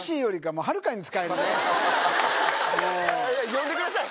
呼んでください